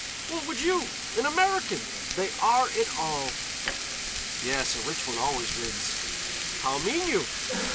"What would you? An American! They are it all." "Yes, a rich one always wins." "How mean you?"